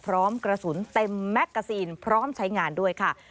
พร้อมกระสุนเต็มแมกกาซีนพร้อมใช้งานด้วยค่ะ